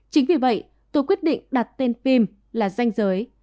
chính vì vậy tôi quyết định đặt tên pim là danh giới